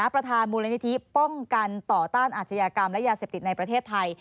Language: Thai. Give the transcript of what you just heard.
ประธานมูลนิธิป้องกันต่อต้านอาชญากรรมและยาเสพติดในประเทศไทย